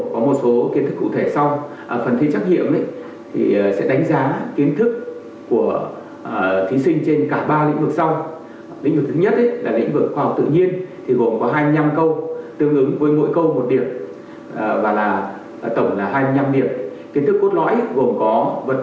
và mã ca bốn phần trắc nghiệm gồm lĩnh vực khoa học tự nhiên lĩnh vực khoa học xã hội ngôn ngữ trung quốc và phần tự luận là ngữ văn